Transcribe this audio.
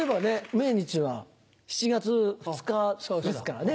命日は７月２日ですからね。